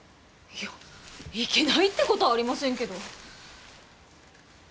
いや行けないってこたぁありませんけど。